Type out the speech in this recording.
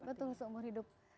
betul seumur hidup